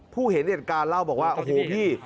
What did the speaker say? เห็นเหตุการณ์เล่าบอกว่าโอ้โหพี่